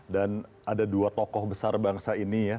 dan ada dua tokoh besar bangsa ini ya